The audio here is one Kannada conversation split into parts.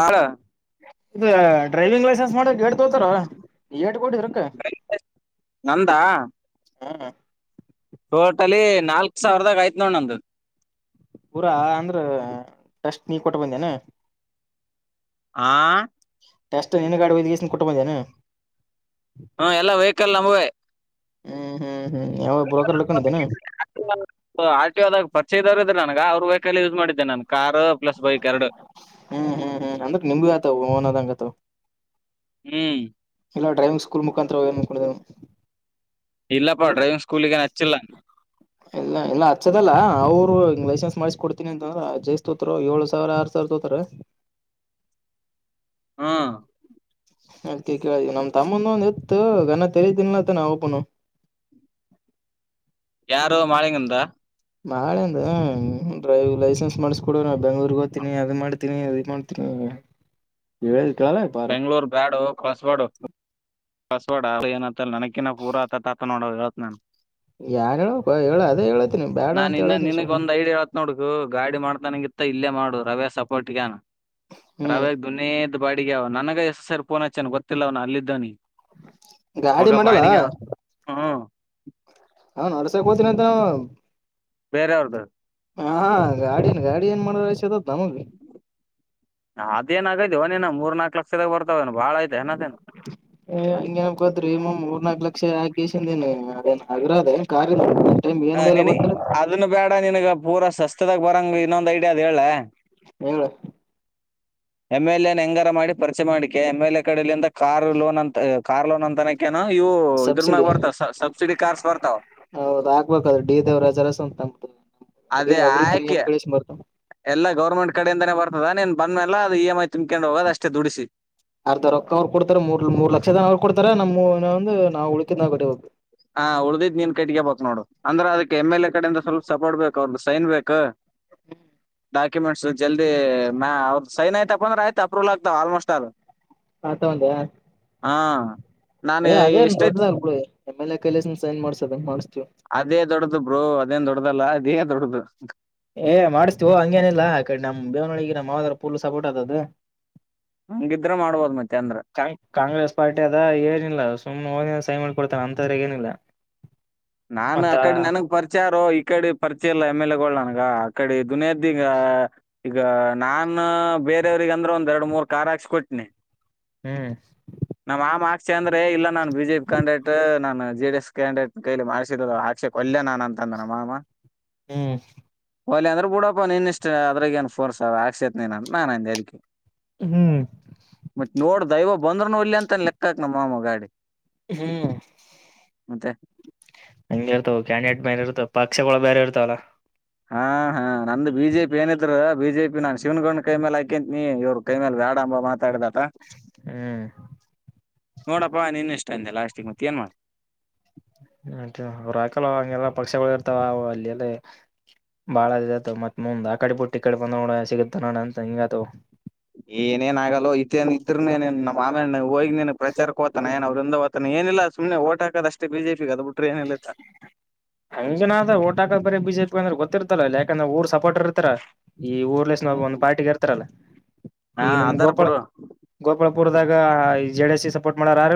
ಹಾಳ ಇ ಡ್ರೈವಿಂಗ್ ಲೈಸೆನ್ಸ್ ಮಾಡ ಏಡ್ ತೋತಾರ ಕೊಟ್ಟಿದ್ರಕ್ಕ ನಂದಾ ಹಾ ಟೋಟಲಿ ನಾಲ್ಕ್ ಸಾವಿರದಾಗ ಆಯ್ತ್ ನೋಡ ನಂದು ಪೂರಾ ಅಂದ್ರ ಟೆಸ್ಟ್ ನೀ ಕೊಟ್ಟ ಬಂದನೆ ಆ ಟಸ್ಟ್ ನನು ಗಾಡಿದ ಕುಟುಂಬದೇನೆ ಹ್ಮ ಎಲ್ಲಾ ವೆಹಿಕಲ್ ನಮುವೆ ಹ್ಮ ಹ್ಮ್ ಹ್ಮ್ ಯಾವ ಬ್ರೋಕರ್ ಹಡ್ಕೊಂಡಿದ್ದೇನ ಆರ್ಟಿದಾಗ ಪರಿಚಯ ಇದವ್ರದ ನಾನು ಅವ್ರ ವೆಹಕಲ್ ಯೂಸ್ ಮಾಡಿದ್ದನೆ ನಾನು ಕಾರಾರ್ ಪ್ಲಸ್ ಬೈಕ್ ಎರಡು ಹ್ಮ್ ಹ್ಮ್ ಹ್ಮ್ ಅಂದ್ರ ನಿಮೂ ಆತಾವ ಓನ್ದಂಗತವ ಹ್ಮ್ ಇಲ್ಲ ಡ್ರೈವಿಂಗ್ ಸ್ಕೂಲ್ ಮುಖಾಂತರವ ೇನುವು ಇಲ್ಲಪ್ಪಾ ಡ್ರೈವಿಂಗ್ ಸ್ಕೂಲ್ಗ ಏನ್ ಹಚ್ಚಿಲ್ಲ ಇಲ್ಲ ಇಲ್ಲ ಹಚ್ಚದಲ್ಲ ಅವರು ಇಂಗ್ಲಷ್ ಮಾಡಸ ಕೊಡ್ತೀನಿ ಅಂತಂದ್ರ ಜೈಸ್ ತೋರು ಏಳು ಸಾವಿರ ಆರ್ ಸಾವಿರ ತೋತಾರ ಹಾ ಅ ಕೇಳ ನಮ್ ತಮ್ಮಂದ ಒಂದ ಎತ್ತು ಗನ ತೆರತೀನ್ಲತ್ತ ನಾ ಒಬನು ಯಾರು ಮಾಳಂಗಿಂದ ನಾಳೆ ಅಂದ ಡ್ರೈವ್ ಲೈಸೆನ್ಸ್ ಮಾಡಸಕೊಡು ನಾ ಬೆಂಗ್ಳೂರ್ಗ್ ಹದ್ತೀನಿ ಅದು ಮಾಡ್ತೀನಿ ಅದ ಮಾಡ್ತೀನಿ ಹೇಳ ಬೆಂಗ್ಳೂರ್ ಬ್ಯಾಡು ಕಸ್ಬಾಡು ಪಾಸ್ವರ್ಡ್ ಏನಲ್ಲ ನನಕಿನ ಪೂರ ಆತತ ನೋಡತ್ ನನ್ ಯಾಾರ ಹೇಳ ಹೇಳ ಅದೇ ಹೇಳತನಿ ಬೇಡ ನಾನ್ ಅಂತ ಇನ್ನ ಹೇಳತನ ನಿನಗ್ ಸುಮನೆ ಮ ಇಲ್ಲೇ ಮಾಡು ರವೆ ಸಪೋರ್ಟ್ಗನ್ ಹರಾವ ಹ್ಮ್ ದೊನಿ ಬಾಡಿಗೆ ಅವ ನನಗ ಎಸ್ ಸರಿ ಫೋನ್ ಅಚ್ಚನ್ ಗೊತ್ತಿಲ್ಲ ಅವ್ನ ಅಲ್ಲಿದ್ದವನಿ ಗಾಡಿ ಮಗ ಮಾಡಲ್ಲ ಬಾಡಿಿಗೆ ಹ್ಮ್ [unintelligible] ಹಾ ನಡ್ಸಕ್ ಹೋತೀನಿ ಅಂತ ಬೇರೆ ಅವ್ರ್ದು ಹಾ ಗಾಡಿನ ಗಾಡಿ ಏನ್ ಮಾಡ ಷ ಹಾದೇ [unintelligible] ಏನಗ ದವಏ ಮೂರ್ ನಾಕಕ್ ಲಕ್ಷದ ಬರ್ತವೆ ಹಂಗೇನ್ ಅನ್ಕೊಂತೀರಿ ಮೂರ್ನಾಲ್ಕು ಲಕ್ಷ ರೇಷನ್ ಏನ್ ಅದೇನ್ [unintelligible] ಅಗರಧ ಕಾರ ಹ ನೀನು ಅದನ್ನು ಬೇಡ ನನ್ಗ ಪೂರಾ ಸಸ್ತದಾಗ ಬರಂಗ ಇನ್ನೊಂದ ಐಡಿಯಾ ಹೇಳ ಹೇಳ ಎಮ್ ಎಲ್ ಎ ಹೆಂಗಾರ ಮಾಡಿ ಪರಿಚಯ ಮಾಡುಕ್ಕೋ M L A car loan ಅಂತ ಕಾರ್ ಲೋನ್ ಅಂತ ಇವು ಇದ್ರ ಮ್ಯಾಗ ಸಬ್ಸಿಡಿ ಬರ್ತಾವ ಸಬ್ಸಿಡಿ ಕಾರ್ಸ್ ಬರ್ತಾವ [unintelligible] ಬಡ್ಡಿ ದೇವ್ರರ ಜರ ಅಂತ ಅ ಅವೃತ್ರಿ ಎಂ ಗಣೇಶ್ ಮಾಡ್ತ ಎಲ್ಲ ಗೌರ್ಮೆಂಟ್ ಕಡೆಯಿಂದಾನೇ ಬರ್ತದ ನೀನ್ ಬಂದ ಮೇಲ್ಲ ಅದು ಇ ಎಂ ಐ ತುಂಬ್ಕೊಂಡ್ ಹೋಗೋದ ಅಷ್ಟೇ ದುಡಿಸಿ ಅರ್ಧ ರೊಕ್ಕ ಅವ್ರು ಕೊಡ್ತಾರೆ ಮೂರ್ ಮೂರ್ ಲಕ್ಷದನ ಅವ್ರು ಕೊಡ್ತಾರ ನಮ್ಮ ಹು ನಾ ಉಳುಕಿದ್ದು ನಾವು ಕಟ್ಟಬೇಕು ಹಾ ಉಳ್ದಿದ್ ನೀನ್ ಕೈಟ್ಗೆ ಬೇಕ್ ನೋಡು ಅಂದ್ರೆ ಅದಕ್ಕೆ ಎಂ ಎಲ್ ಎ ಕಡೆ ಯಿಂದ ಸ್ವಲ್ಪ ಸಪೋರ್ಟ್ ಬೇಕು ಅವ್ರ ಸೈನ್ ಬೇಕು ಡಾಕ್ಯುಮೆಂಟ್ಸ್ ಜಲ್ದಿ ಸೈನ್ ಆಯ್ತಪ್ಪ ಅಂದ್ರ ಆಯ್ತ ಅಪ್ರೂವಲ್ ಆಗ್ತಾವ ಆಲ್ಮೋಸ್ಟ್ ಥಾರ್ ಹಾ ತೊಂಡೆ ಹಾಂ ಏ ಅದೇನ್ ದೊಡ್ಡದಲ್ ಬಿಡು ಆಮೇಲೆ ಕೈಲಸನ್ ಸೈನ್ ಮಾಡುಸ್ದಂಗೆ ಮಾಡಿಸ್ತೀಯಾ ದಲ್ಲ ಅದೇ ದೊಡ್ದದು ಏ್ ಮಾಡಿಸ್ತೀವೋ ಹಂಗೇನಿಲ್ಲ ಆ ಕಡೆ ನಮ್ ದೇವನೊಳಿಗೆ ನಮ್ಮ ಯಾವದ್ರ ಪೂರ್ ಸಪೋರ್ಟ್ ಆದಧು ಹಂಗಿದ್ರ ಮಾಡ್ಬೋದು ಮತ್ತೆ ಅಂದ್ರ ಕಾಂಗ್ರೆಸ್ ಪಾರ್ಟಿ ಅದ ಏನಿಲ್ಲ ಸುಮ್ನೆ ಹೋದ ಸೈ ಮಾಡ ಕೊಡ್ತಾನ ಅಂತರ ಏನಿಲ್ಲ ನಾನು ಮತ್ತ ಆ ಕಡೆ ನನಗ್ ಪರಿಚಯಾರೋ ಈ ಕಡೆ ಪರಿಚಯ ಇಲ್ಲ ಎಂಎಲ್ಎಗಳು ಆಗ ಆ ಕಡೆ ದುನಿಯದಿ ಈಗ ಈಗ ನಾನು ಬೇರೆಯವ್ರಗ ಅಂದ್ರೆ ಒಂದ್ ಎರಡು ಮೂರ್ ಕಾರ್ ಹಾಕ್ಸ್ ಕೊಟ್ನಿ ಹ್ಮ್ ಶಿಕ್ಷೆ ಅಂದ್ರೆ ಇಲ್ಲ ನಾನ್ ಬಿಜೆಪಿ ಕ್ಯಾಂಡಿಡೇಟ್ ನಾನು ಜೆಡಿ ಎಸ್ ಕ್ಯಾಂಡಿಡೇಟ್ ಕೈಲಿ ಮಾಡಿಸಿದ ಆಕ್ಷೆ ಕೊಲ್ಯ ನಾನನ್ ಅಂತ ಅಂದ ನಮ್ಮ ಮಾಮ ಹ್ಮ್ ವಲ್ಯ ಅಂದ್ರೆ ಬಿಡಪ್ಪ ನೀನ್ ಇಷ್ಟ ಅದ್ರಾಗ ಏನ ಫೋರ್ಸ್ ಆದ ಅಕ್ಷ್ಯಾಕ್ ನೀನ್ ಅ ನಾನಂದೆ ಹ್ಮ್ ದೈವ ಬಂದ್ರುನು ವಲ್ಯ ಅಂತನ ಲೆಕ್ಕಾಕ ನಮ್ಮಮ್ಮ ಗಾಡಿ ಹ್ಮ್ ಮತ್ತೆ ಹಂಗೆ ಇರ್ತಾವ ಕ್ಯಾಂಡಿಡೇಟ್ ಬೇರೆ ಇರ್ತಾವ ಪಕ್ಷಗಳು ಬೇರೆ ಇರ್ತಾವಲ್ಲಾ ಹಾ ಹಾ ನಂದು ಬಿಜೆಪಿ ಏನಿದ್ರು ಬಿಜೆಪಿ ನಾು ಶಿವನ್ಗೊಂಡ್ ಕೈ ಮೇಲೆ ಆಕೇಂತ ನೀವರು ಕೈ ಮೇಲೆ ವ್ಯಾಡ ಅಂಬ ಮಾತಾಡಿದ ಹ್ಮ್ ನೋಡಪ್ಪಾ ನೀನ್ ಎಷ್ಟ ಂದಲ್ಲ ಅಸ್ಟಿಕ್ ಮತ್ತೆ ಏನ್ ಮಾಡ ಅವರುಾಕಲ್ ಹಂಗೆಲ್ಲ ಪಕ್ಷಗಳು ಇರ್ತಾವವು ಅಲ್ಲಿ ಎಲ್ಲ ಬಾಳತವ ಮತ್ ಮುಂದ್ ಆ ಕಡೆ ಬಿಟ್ಟು ಈ ಕಡೆ ಬಂದನಾ ಸಿಗುತ್ತ ನ ಅಂತ ಹಿಂಗತ ಏನೇನ ಆಗಲ್ಲೋ ಇನ್ ಇದ್ರೂ ಆಮೇ ಹೋಗಿ ನೀನು ಪ್ರಚಾರಕ್ಕೆ ಹೋತಾನ ಏನ ೃಂದವತನ ಏನಿಲ್ಲ ಸುಮ್ನೆ ಓಟ್ ಹಾಕದ ಅಷ್ಟೇ ಬಿಜೆಪಿ ಗೆದ್ದು ಬಿಟ್ರೆ ಏನಿಲ್ಲ ಹಂಗಗೆನ ಅ್ರ ಟ್ ಹಾಕ ಬ ಬಿಜೆಪಿ ಅಂದ್ರ ಗೊತ್ತಿರ್ತಲ್ಲ ಇಲ್ಲ ಯಾಂದ್ರ ಊರ್ ಸ ಪೋರ್ಟರ್ ಇರ್ತಾರ ಈ ಊರ್ಲ ಹ್ಮ್ ಒಂದು ಪಾರ್ಟಿಿಗೆ ಇರ್ತಾರಲ್ಲ ಹಾ ಈಗ ನಿಮ್ ಅದಾರ್ ಗೋಪಾಳ ಬಿಡು ಗೋಪಾಳ ಪುರ್ದಾಗ ಜೆಡಿ ಎಸ್ ಸಿ ಸಪೋರ್ಟ್ ಮಾಡಾರಾರ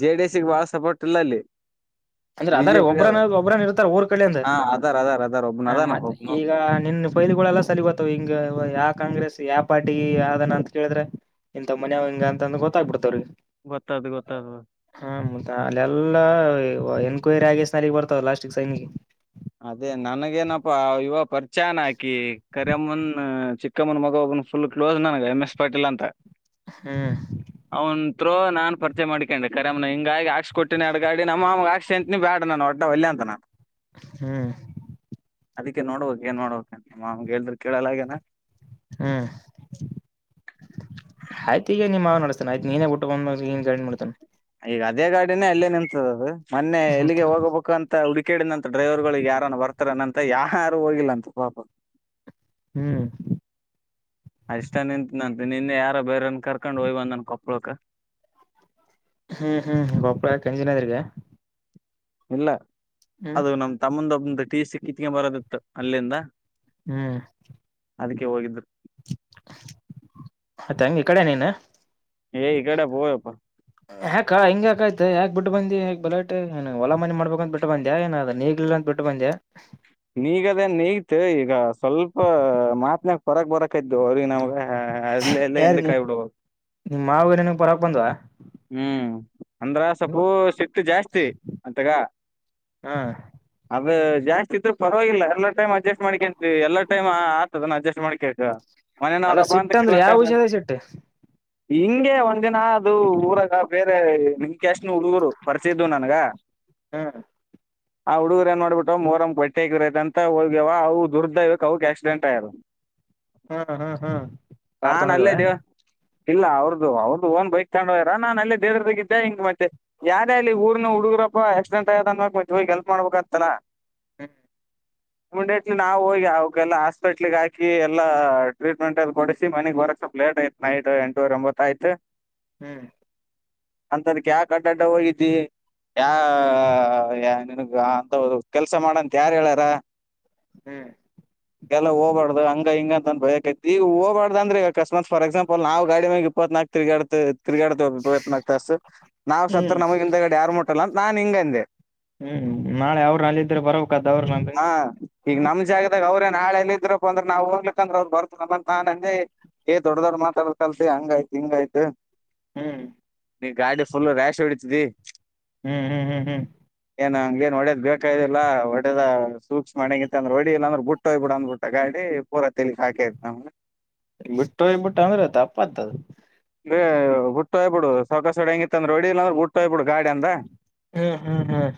ಜೆಡಿಎಸ್ ಬಾಳ ಸಪೋರ್ಟ್ ಇಲ್ಲ ಅಲ್ಲಿ ಅಂದ್ರೆ ಅದಾರ ಬಿಜೆಪಿಗ ಅದ ಒಬ್ರನ ಒಬ್ರನ ಇರ್ತಾರ ಊರ್ ಕಡಿಲಿಂದಾ ಹಾ ಅದಾರ್ ಅದಾರ್ ಅದಾರ್ ಒಬ್ನ ಅದಾನ ಮತ್ತೆ ಒಬ್ನು ಈಗ ನಿನ್ನಫೈಲ್ಗಳೆಲ್ಲ ಸಲಗೊತ್ತ್ ಹಿಂಗ ಯಾ ಕಾಂಗ್ರೆಸ್ ಯಾವ ಪಾರ್ಟಿ ಅದನ ಅಂತ ಕೇಳಿದ್ರೆ ಇಂತ ಮನ್ಯವ್ ಹಿಂಗ ಅಂತಂದಂದು ಗೊತ್ತಾಗ ಬಿಡ್ತದವರಿಗೆ ಗೊತ್ತ್ದ ಗೊತ್ತ ಹ ಮದ ಅಲ್ಲ ಎಲ್ಲಾ ಎನ್ಕ್ವೈರಿ ಆಗ ಸ್ನಾರಿಗೆ ಬರ್ತಾವ ಲಾಸ್ಟಿಗೆ ಸೈನ್ಿಗೆ ಅದೇ ನನಗೇನಪ್ಪಾ ಇವ ಪರಿಚ ಚಾನಾಕಿ ಕರಿಯಮ್ಮನ್ ಚಿಕ್ಕಮ್ಮನ ಮಗ ಒಬ್ಬನ ಫುಲ್ ಕ್ಲೋಸ್ ನನಗೆ ಎಮ್ ಎಸ್ ಪಾಟೀಲ್ ಅಂತ ಹ್ಮ್ ಹ ನಾನನ್ ಪರ್ಚೆ ಮಾಡಿಕೊಂಡೆ ಕರೆಮ್ಮ ಹಿಂಗಾಗಿ ಕೊಟ್ಟಿ ಅಡ್ಗಾಡಿ ನಮ್ಮಗಾ ಂತನ ಬ್ಯಾಡ ನು ಒಡ್ಡ ಒಳ್ಳೆ ಅಂತಾನ ಹ್ಮ್ ಅದಕ್ಕೆ ನೋಡ್ಬಕ್ ಏನ್ ಮಾಡೋಬೇಕ ಮಾಗೆ ಹೇಳದ್ರ ಕೇಳಲ್ಲ ಹಾಗಗೇನ ಹ್ಮ್ ಆಯ್ತ ಈಗ ನೀ ಮಾ ನಡಸ್ತಾನ ಆಯ್ತ ನೀನೇ ಬಿಟ್ಟು ಬಂದನ್ ಗಡಿಡ್ತಾನ ಈಗ ಅದೇ ಗಾಡಿನೇ ಅಲ್ಲೇ ನಿಂತದ ಅದು ಮೊನ್ನೆ ಅಂತ ಎಲ್ಲಿಗೆ ಹೋಗಬೇಕು ಅಂತ ಹುಡು ಕೇಳಡಿದಂತ ಡ್ರೈವರ್ಗಳಿಗೆ ಯಾರಾನ ಬರ್ತಾರನಂತ ಯಾವ ಯಾರು ಹೋಗಿಲ್ಲ ಅಂತ ಪಾಪ ಹ್ಮ್ ಅ ಇಷ್ಟ ನಿಂತ ನಂತೆ ನಿನ್ನೆ ಯಾರ ಬೇರನ್ ಕರ್ಕೊಂಡ್ ಹೋಗಯ್ ಬಂದ ನನ್ ಕೊಪ್ಳಕ ಹ್ಮ್ ಹ್ಮ್ ಬಪಳ ಕೆಂಜನಾದ್ರಿಗೆ ಇಲ್ಲ ಅದು ನಮ್ ತಮ್ಮಂದೊಬ್ಬ ಟೇಸ್ಟಿ ಕಿತ್ಕೊಂಡ ಬರದಿತ್ತು ಅಲ್ಲಿಂದ ಹ್ಮ್ ಅದಕ್ಕೆ ಹೋಗಿದ್ರು ಅತಂಗ ಇ ಕಡೆ ನೀನು ಎ ಈ ಕಡೆಪ್ ಹಯಪ್ಪ ಯಾಕಾ ಹಿಂಗ್ಯಾಾಕ ಆಯತತ್ ಯಾಕ್ ಬಿಟ್ಟು ಬಂದಿ ಹಾಕ್ ಬಲಯಟ್ಟೆಏ ಹೊಲ ಮನೆ ಮಾಡ್ಬೇಕಂದಂತ ಬಿಟ್ಟ ಬಂದ್ಯಾಏನ್ ನೀಗ್ಲಿಲ್ಲ ಅಂತ ಬಿಟ್ಟು ಬಂದ್ಯಾ ನೀಗದೇನ್ ನೀಗ್ತ್ ಈಗ ಸ್ವಲ್ಪ ಮಾತ್ನಾಗ ಹೊರಕ್ ಬರಕಕ್ ಇದ್ತು ಅವ್ರ ನಮಗೆ ಹಾ ಅದಲ್ಲಿ ಎಲ್ಲ ಎಂದ ಕಾಯ ಬಿಡು ಮಾವಗಏನ ಪರಕ್ ಬಂದ್ ಹ್ಮ್ ಅಂದ್ರ ಸಪ್ಪು ಸಿಟ್ಟ ಜಾಸ್ತಿ ಅತ್ತಗ ಹಾ [unintelligible] ಅ ಜಾಸ್ತಿ ಇದ್ರು ಪರವಾಗಿಲ್ಲ ಎಲ್ಲಾ ಟೈಮ್ ಅಡ್ಜಸ್ಟ್ ಮಾಡಿಕಕಂತವಿ ಎಲ್ಲಾ ಟೈ ಆತದನ್ನ ಅಡ್ಜಸ್ಟ್ ಮಾಡ್ ಕೇ ಅಲ್ಲಾ ಸಿಟ್ಟಂದ್ರ ಯಾವ ವಿಷಯದ ಸಿಟ್ಟು ಹಿಂಗೆ ಒ [unintelligible] ಹಂದಿನ ಅದು ಊರಗ ಬೇರೆ ನಿಮ್ ಕ್ಯಾಶನ ಹುಡುಗರು ಪರಿಚಯ ಇದವು ನನ್ಗ ಹ್ಮ್ ಆ ಹುಗರು ಏನ್ ಮಾಡ್ಬಿಟ್ಟು ಮೋರಮ್ ಬಟ್ಟೆಗರೈ ಅಂತ ಹೋಗ್ಯವ ಅವು ದುರ್ದ ಇವಕ್ ಅವಕ್ ಆಕ್ಸಿಡೆಂಟ್ ಆಯ್ಯ್ [unintelligible] ಹ್ಮ್ ಹ್ಮ್ ಹ್ಮ್ ಕಾರ್ ನಾನ್ ತೊಗೊಂಡೋಗಿವ ಏನ್ ಅಲ್ಲೇದ್ದವ [unintelligible] ಇಲ್ಲ ಅವ್ರದ್ದ ಅವ್ರದ್ದ ಓನ್ ಬೈಕ್ ಕೊಂಡ ಹದಿರ ನಾನ ಅಲ್ಲಿ ದೇರದಾಗ ಇದಿದ್ದೆ ಹಿಂಗ ಮತ್ತೆ ಯಾರ್ಯ ಅಲ್ಲಿ ಊರಿನ ಹುಡುಗರಪ್ಪ ಆಕ್ಸಿಡೆಂಟ್ ಆಯತದ ಅನ್ಕ್ ಮತ್ತೆ ಹೋಗಿಗೆಲ್ಪ್ ಮಾಡ್ಬೇಕಕ್ ಅಂತನಾ ಹ್ಮ್ [unintelligible] ಇಮಿಡಿಯೇಟ್ಲಿ ನಾವು ಹೋಗಿ ಅವಕ್ಕೆಲ್ಲ ಹಾಸ್ಪೆಟ್ಲ್ಗ್ ಹಾಕಿ ಎಲ್ಲಾ ಟ್ರೀಟ್ಮೆಂಟ್ ಕೊವಿ [unintelligible] ಮನೆಗ್ ಬರಕ್ ಸ್ವಲ್ಪ ಲೇಟ್ ಆಯ್ತು ನೈಟ್ ಎಂಟೂರ ಎಂಬತ್ತ ಆಯ್ತು ಹ್ಮ್ [unintelligible] [unintelligible] ಅಂತದಕ ಯಕ ಅಡ್ಡಾಡ ಹೋಗಿದಿ ಯಾ ಯ [unintelligible] ನನ್ಗ್ ಅಂತ ಕೆಲ್ಸ ಮಾಡಂತ ಯಾರು ಹೇಳ್ಯಾರ ಹ್ಮ್ ಎಲ್ಲ ಹೋಗಬಾರ್ದು ಹಂಗ ಹಿಂಗ ತಿ ಓ [unintelligible] ಅಸ್ಮತ್ಫಾರ್ ಎಸಾಲ್ [unintelligible] ನಾವು ಗಾಡಿ ಮಗೆ ಇತ್ನಾಕು [unintelligible] ತಿರಿಗಡ್ತ ತಿಗಡಯತ್ನ ಆಗ್ತಾ ನಾವ ಸತ್ರ ಹ್ಮ್ ನಮಗಿಂದಗಡೆ ಯಾರ [unintelligible] [unintelligible] ನಾನ್ ಹಿಂಗಂದೆ ಹ್ಮ್ ನಾಳೆ ಅವ್ರ ಅಲ್ಲಿ ಇದ್ರೆ ಬರೋ [unintelligible] ಹಾ ಈಗ ನಮ್ ಜಾಗದಾಗ ಅವ್ರ ನಾಳೆ ಎಲ್ಲ ಇದ್ರಪ್ಪ ಅಂದ್ರ ನಾವು ಹೋಗ್ಕ ಅಂದ್ರ ಅವ್ ಬರ್ತಮ್ಮಂತ ಏ ದಡ್ಡ ದೊಡ್ ಮಾತಾ ಕಲ್ತಿ ಹಂಗ ಆಯ್ತ ಹಂಗಾಯ್ತು ಹ್ಮ್ ನೀ ಗಾಡಿ ಫುಲ್ ರ್ಯಾಶ್ ಹೊಡತಿ ಹ್ಮ್ ಹ್ಮ್ ಹ್ಮ್ ಹ್ಮ್ ಏನ್ ಹಂಗ ಏನ್ ಒಡೇದ್ ಬೇಕಿಲ್ಲ [unintelligible] ದ ಸೂಕ್ಷ್ಮಣಂಗಿತೆ ಅಂದ್ರೆ ಒಡಿ ಇಲ್ಲ ಅಂದ್ರೆ ಬಿಟ್ಟ ಹೋಗ್ಬ ಬಿಡ ಅಂದ್ಬ ಬಿಟ್ಟ ಗಾಡಿ ಪೂರ ತಿಲಿಕ್ ಹಾಕತಿ ನಮ್ಗೆ ಬಿಟ್ಟೋ ಈ ಬಿಟ್ಟು ಅಮೇರತ ಅಪ್ಪತದ ಹುಟ್ಟ ಹಯ್ಬ ಬಿಡು ಸಕು ಹ ಹೆಂಗಿ ಅಂದ್ರೆ ಹೊಡಿಲ್ಲ ಅಂದ್ರೆುಟ್ಟ ಹ್ಬಿಡು ಹ್ಮ್ ಹ್ಮ್ ಹ್ಮ್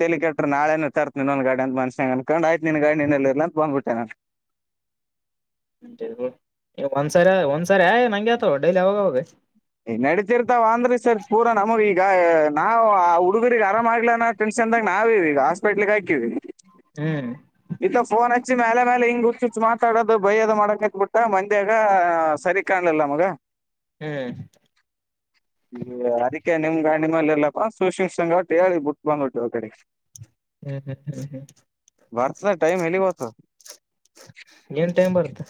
ತೆಲಿಕಾಪ್ರ ನಾಳೆನ ತರ್ತ್ನನ್ನ್ನೊಂದ ಗಾಡಿ ಅಂತ ಮನ್ಸ್ಯನ ಅನ್ಕೊಂಡ್ ಆಯ್ತು ನಿನ್ ನಿನ್ ಗಾಡಿ ನಿನ್ನತ್ಲೆ ಇರಲಿ ಅಂತ ಬಂದ್ಬಿಟ್ಟೆ ನಾನು ಒನ್ಸಾರ ಒನ್ಸಾರ ನಂಗಗೆತ ಡೈಲಿ ಹಾವೋಗ ಬಾಗ ನಡೆದಿರುತ್ತೆ ಅಂದ್ರಿ ಸರ್ ಪೂರಾ ನಮ ಈಗ ನಾವು ಆ ಹುಡುಗರಿಗೆ ಆರಾಮ್ ಆಗ್ಲ ಟೆ ನಾವ ಈಗ ಹಸ್ಪಿಟ್ಲ್ ಹಾಕಿವ ಹ್ಮ್ ಈತ ಫೋನ್ ಅಚ್ಚಿ ಮೇಲೆ ಮೇಲೆ ಹಿಂಗ್ ಉಚ್ಚಿಚ್ಚ ಮಾತಾಡೋದು ಬಯದ ಮಾಡಕತ್ ಬಿಟ್ಟ ಮಂದ್ಯಾಗ ಸರಿ ಕಾಣಲಿಲ್ಲ ಮಗ ಹ್ಮ್ ಈ ಅದಕ್ಕೆ ನಿಮಗೆ ಮೇಲೆ ಎಲ್ಲಪ್ಪಾ ಸುಶಿಂಗಟ್ಟಿ ಹೇಳಿ ಬಿಟ್ಟು ಬಂದ್ಬಟ್ಟವಿ ಕಡೆ ಹ್ಮ್ ಹ್ಮ್ ಹ್ಮ್ ಬರ್ತದ ಟೈಮ್ ಎಲ್ಲಿಗ್ ಹೋತದ ಹ್ಮ್ ಏನ್ ಟೈಮ್ ಬರ್ತ್ತ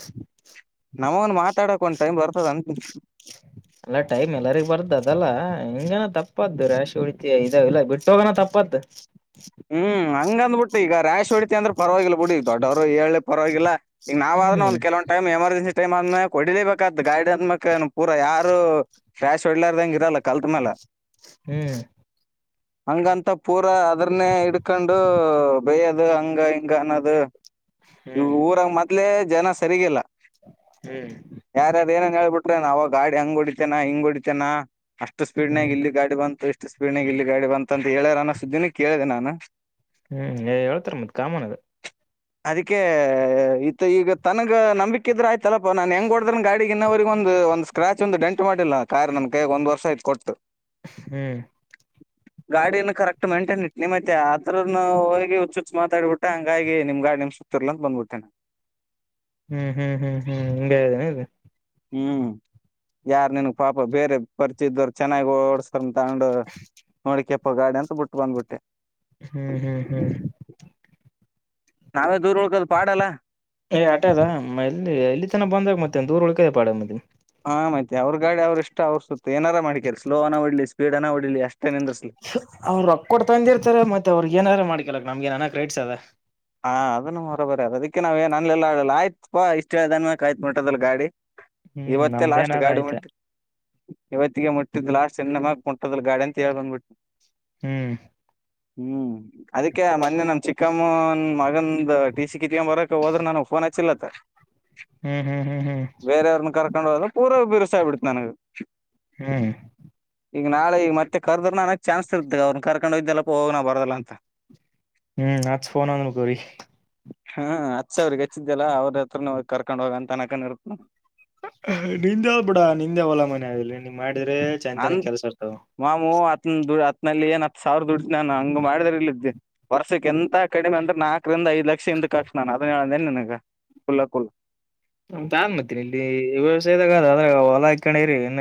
ನಮ್ ಮಾತಾಡಕ ಒಂದು ಟೈಮ್ ಬರ್ತದಂತ ಅಲ್ಲ ಟೈಮ್ ಎಲ್ಲರಿಗ್ ಬರ್ದ ಅದಲ್ಲ ಹಿಂಗನ ತಪ್ಪದ್ದು ರಾಶ ಉತಿ ಇದಾವಲ್ಲ ಬಿಟ್ಟ ತೊಗೋಣ ತಪ್ಪತ್ ಹ್ಮ್ ಹಂಗಂದ್ಬಿಟ್ ಟ್ಟೀಗ ರಾಷ್ ಹೊಡಿತಿ ಅಂದ್ರೆ ಪರ್ವಾಗಿಲ್ಲ ಬುಡಿ ದೊಡ್ಡವ್ರಾಗ್ ಹೇಳ್ಳಿ ಪರ್ವಾಗಿಲ್ಲ ಈಗ್ ನಾವಾರುನು ಹ್ಮ್ ಒಂದ್ ಕೆಲವೊನ್ ಟೈಮ್ ಎಮರ್ಜೆನ್ಸಿ ಟೈಮ್ ಆದ್ಮೇಲ್ ಕೊಡಿಲೇಬೇಕಂತ ಗಾಡಿ [unintelligible] ಪೂರ ಯಾರು ರ್ಯಾಶ್ ಹೊಡ್ಲಾರ್ದಂಗೆ ಇರಲ್ಲ ಕಲ್ತ್ ಮೇಲ ಹ್ಮ್ ಹಂಗಂತ ಪೂರಾ ದರ್ನ್ನೇ ಹಿಡ್ಕಂಡೂ ಬೇಯ್ಯದು ಹಂಗ ಹಿಂಗ ಅನ್ನದು ಈ ಹ್ಮ್ ಊರಾಗ ಮೊದ್ಲೆೇ ಜನ ಸರಿಗಿಲ್ಲ ಹ್ಮ್ ಯಾರ್ಯಾರ್ ಏನೇನ್ ಹೇಳ್ಬಿಟ್ [unintelligible] ಗಾಡಿ ಹಂಗ್ ಹೊಡಿತನ ಹಿಂಗ್ ಹೊಡಿತನ ಅಷ್ಟು ಸ್ಪೀಡ್ ನಾಗ ಹ್ಮ್ ಇಲ್ಲಿ ಗಾಡಿ ಬಂತು ಇಷ್ ತು ಸ್ಪೀಡ್ನಾಗ್ ಇಲ್ಲಿ ಗಾಡಿ ಬಂತ್ ಅಂತ ಹೇಳ್ಯಾರ ಅನ ಸುದ್ದಿ ಕೇಳ್ದೆ ನಾನು ಹ್ಮ್ ಹೇಳ್ತರ ಮತ್ ಕಾಮನ್ ಅದ ಅದಕ್ಕೆ ಆ ಈದ್ ಈಗ ತನಗ ನಂಬಿಕೆ ಇದ್ರ ಆಯ್ [unintelligible] ನಾನ್ ಹೆಂಗ ಹೊಡ್ದ್ರನ್ ಗಾಡಿಗೆ ಇನ್ನ ಅವ್ರಿಗೊಂದು ಒಂದು ಸ್ಕ್ರಾಚ್ ಷ್ಟೊಂದು ಡೆಂಟ್ ಮಾಡಿಲ್ಲ ಕಾರ್ ನಮ್ ಕೈಗ ಒಂದ ವರ್ಷ ಆಯ್ತ್ ಕೊಟ್ಟು ಹ್ಮ್ ಗಾಡಿನ ಕರೆಕ್ಟ್ ಮೈಂಟೈನ್ ಇಟ್ ನಿಮ್ಮತ್ತ ಆತರನು ಹೋಗಿ ಹುಚ್ಚುಚ್ಚು ಮಾತಾಡ್ಬಿಟ್ಟೆ ಹಂಗಾಗಿ ನಿಮ್ಗಾ ನಿಮ್ [unintelligible] ಅಂತ ಬಂದ್ಬಿಟ್ಟೆ ನಾನ್ ಹ್ಮ್ ಹ್ಮ್ ಹ್ಮ್ ಹ್ಮ್ ಹ್ಮ್ ಯಾರ್ ನನ್ಗ್ ಪಾಪ ಬೇರೆ ಪರಿಚದವರು ಚೆನ್ನಾಗಿ ಓಡ್ಸ ತಾಂಡು ನೋಡಿಕ್ಕೆ ಪಗಾಡಾ ಅಂತ ಬುಟ್ ಬಂದ್ಬಿಟ್ಟೆ ಹ್ಮ್ ಹ್ಮ್ ಹ್ಮ್ ನಾವೇ ದೂರ ಹೋಗದ್ ಪಾಡಲ್ಲ ಏ ಎಲ್ಲಿ ತನ ಬಂದಾಗ ಮತ್ತೆ ದೂರ್ ಉಳಳ್ಕ ಪಾಡ ಹಾ ಮತ್ತೆ ಅವ್ರ್ ಗಾಡಿ ಅವ್ರ್ ಇಷ್ಟ ಅವ್ರ್ ಸುತ್ಲಿ ಏನಾರ ಮಾಡಕರಿ ಸ್ಲೋ ಅನ ಓಡ್ಲಿ ಸ್ಪೀಡ್ ಅನ ಹೊಡಿಲಿ ಅಷ್ ಅವ್ರ್ ರೊಕ್ ಕೊಡ್ ತಂದಿರ್ತಾರೆ ಮತ್ತೆ ಅವ್ರಿಗ್ ಏನಾರ ಮಾಡ್ ಕೆಲಕ್ ನಮ್ಗೇನ್ ಅಣ ಕ್ರೇಟ್ಸ್ ಅದ ಹಾ ಅದನ್ನು ಬರೋಬರಿ ಅದ ಅದಕ್ಕೆ ನಾವ್ ಏನ್ ಅಲ್ಲೆಲ್ಲ ಇಷ್ಟ ಹೇಳ ಕಾಯ್ದ್ ಬಿಟ್ಟದಲ್ಲ ಗಾಡಿ ಹ್ಮ್ ಇವತ್ತೇ ಲಾಸ್ಟ್ ನಮ್ದೇನಾರ ಆಯ್ತಾ ಗಾಡಿಮೆಂಟ್ ಇವತ್ತಿಗೆ ಮುಟ್ಟಿದ್ ಮುಟ್ಟದಿಲ್ಲ ಗಾಡಿ ಅಂತ ಹೇಳ್ ಬಂದ್ಬಿಟ್ ಹ್ಮ್ ಹ್ಮ್ ಅದಕ್ಕೆ ಮೊನ್ನೆ ನಮ್ ಚಿಕ್ಕಮ್ಮ ಮಗಂದ ಟಿ ಸಿ ಕಿತ್ಕೊ ಬರಕ್ ಹೋದ್ರೆ ನನಗ್ ಫೋನ್ ಹಚ್ಚಿಲ್ಲತ್ತ ಹ್ಮ್ ಹ್ಮ್ ಹ್ಮ್ ಹ್ಮ್ ೊಂಡ ಪೂರ ವಿವಸಾಯ ಬಿಡ್ತನಗೆ ಹ್ಮ್ ಈಗ ನಾಳೆ ಈಗ ಮತ್ತೆ ಕರ್ದ್ರ ನನಗ್ ಚಾನ್ಸ್ ಇರ್ತಗ ಅವ್ರನ್ನ ಕರ್ಕೊಂಡುೋಯ್ದಲ್ಲಪ್ಪ ಹೋಗ್ ನ ಬರದಲ್ಲ ಅಂತ ಹ್ಮ್ ನಚ್ಫೋನಂದಕರಿ ಹಾ ಹಚ್ಚ ಅವ್ರಿಗೆ ಹಚ್ಚಿದ್ದೆಲ್ಲ ಅವ್ರ ಹತ್ರ ಕರ್ಕೊಂಡ್ ಹೋಗ ಅಂತ ಅನಕ ಇರ್ತ ನಿಂದೆವ ಬಿಡ ನಿಂದೆ ಅವಲ್ಲ ಮನೆ ಆಗಲಿ ನೀನ್ ಮಾಡಿದ್ರೆ ಚೈಂತಾನ ನಾನ್ ಕೆಲ್ಸ ಇರ್ತಾವ ನಲ್ಲಿ ಏನ್ ಹತ್ತು ಸಾವಿರ ದುಡ್ಡು ನಾನು ಹಂಗ ಮಾಡಿದ್ರ ಇಲ್ಲಿದ್ದೆ ವರ್ಷಕ್ಕೆ ಎಂತ ಕಡೆಮ ಅ್ರ ನ ್ರಂದ ಐ ಲಕ್ಷ ಹಿಂದ ಕಟ್ ನು ಅದ ನನ ಕುಲ್ಲ ಕುಲ್ಲ ನ ತಾ ಮತ್ತೀನಿ ಇಲ್ಲಿ ವ್ಯವಸಾಯದಾಗ ಅ ಅದ್ರೆ ಹೊಲ ಹಾಕ್ಕಣರಿ ಇ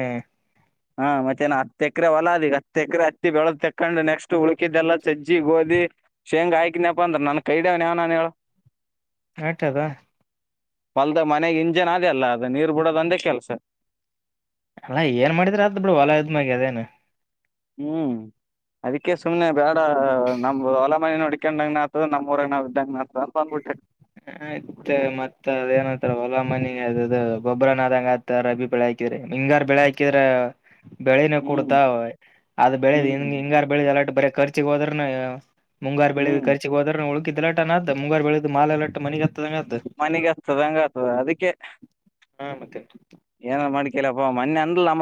ಹಾ ಮತ್ತೆನ ಹತ್ ಎಕರೆ ಹೊಲ ಅ ಈಗ ಹತ್ ಎಕರೆ ಹತ್ತಿ ಬೆಳದ ತಕೊಂಡು ನೆಕ್ಸ್ಟ್ ಉಳಕಿದ್ದೆಲ್ಲಾ ಸಜ್ಜಿ ಗೋಧಿ ಶೇಂಗ್ ಆಯ್ಕನ್ಯಪ್ಪ ಅಂದ್ರ ನನ್ ಕೈಡೇವ್ನ್ ಯಾವನಾನನ್ ಹೇಳ ಆತದ ಹೊಲ್ದ ಮನೆಗ್ ಇಂಜನ್ ಅ ಅಲ್ಲ ಅದ ನೀರ್ ಬಿಡೋದ ಅಂದೇ ಕೆಲ್ಸ ಅಲ್ಲಾ ಏನ್ ಮಾಡಿದ್ರ ಅದ್ ಬಿಡು ಹೊಲ ಇದದ್ಮಾಗ ಅದೇನ ಹ್ಮ್ ಅದಕ್ಕೆ ಸುಮ್ನೆ ಬೇಡ ನಮ್ದ ಹೊಲ ಮನೆ ನಡ್ಕೊಂಡಂಗನ ಆತದ ನಮ್ೂಊಗ್ ನ ಇದ್ದಂಗನ ಆತ ಅಂತ ಬಂದ್ಬಿಟ್ರಿ ಹ ಆಯ್ತ್ ಮತ್ ಅದಏನಂತಾರ ಹೊಲಮ್ಮನಿ ಅದು ಬೊಬ್ರನಾದಂಗತ್ತ ರಬಿ ಬೆಳೆ ಹಾಕಿದ್ರರಿ ಹಿಂಗಾರ್ ಬೆಳೆ ಹಾಕಿದ್ರ ಬೆಳೆನ ಹ್ಮ್ ಕುಡತಾವ ಅದು ಬೆಳೆ ಹ್ಮ್ ಹಿಂಗ ಹಿಂಗಾರ ಬೆಳೆ ಎಲ್ಲು ಬರ ರ್ಚೆೆಗೆೋದ್ರನ ಮುಂಗಾರು ಬೆಳಗ್ ಹ್ಮ್ ಖರ್ಚುಗೆ ಹೋದ್ರ ನಳಗ್ ಟ ಅ ಮುಂಗಾರ ಬೆಳದು ಮಾಲ್ ಮನ ಮನೆಗ್ [unintelligible] ಹಗ್ತದ ಹಂಗ ಆತದ ಅದಕ್ಕೆ ಹಾ ಮತ್ತೆ ಏನೊ ಮಾಡ ಇಲ್ಲಪ್ಪ ಮನ್ನೆ ಅಂದ್ಲ ನಮ್ [unintelligible]